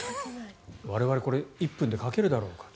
我々これ、１分で書けるだろうか。